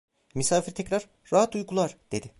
Misafir tekrar: "Rahat uykular!" dedi.